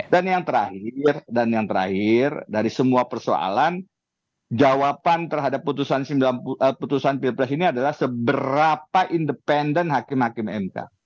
yang terakhir dan yang terakhir dari semua persoalan jawaban terhadap putusan pilpres ini adalah seberapa independen hakim hakim mk